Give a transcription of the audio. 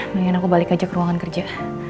mendingan aku balik aja ke ruangan kerja